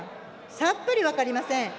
さっぱり分かりません。